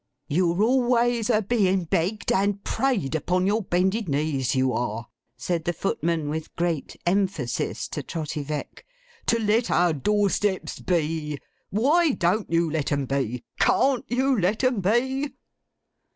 'You're always a being begged, and prayed, upon your bended knees you are,' said the footman with great emphasis to Trotty Veck, 'to let our door steps be. Why don't you let 'em be? CAN'T you let 'em be?